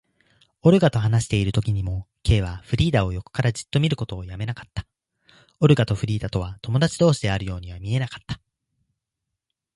オルガと話しているときにも、Ｋ はフリーダを横からじっと見ることをやめなかった。オルガとフリーダとは友だち同士であるようには見えなかった。